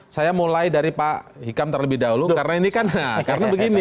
saya mulai dari pak hikam terlebih dahulu karena ini kan karena begini